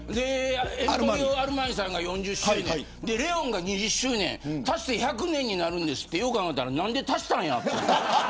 エンポリオ・アルマーニさんが４０周年ＬＥＯＮが２０周年、足して１００年になるんですってよう考えたら何で足したんやって。